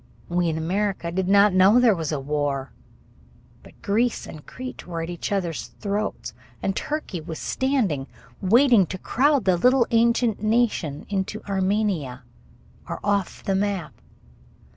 We in America did not know there was a war. But Greece and Crete were at each other's throats, and Turkey was standing waiting to crowd the little ancient nation into Armenia or off the map.